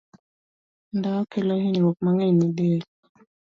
Ndawa kelo hinyruok mang'eny ne del.